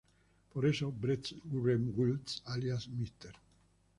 Por eso, Brett Gurewitz, alias Mr.